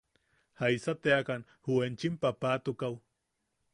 –¿Jaisa teakan ju enchim paapatukaʼu?